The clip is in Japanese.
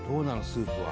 スープは。